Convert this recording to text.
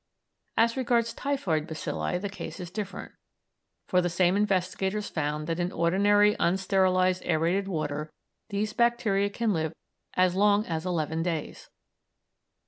As regards typhoid bacilli the case is different, for the same investigators found that in ordinary unsterilised aërated water these bacteria can live as long as eleven days.